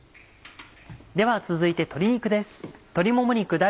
では続いて鶏肉です。